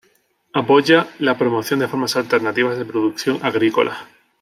Apoya la promoción de formas alternativas de producción agrícola.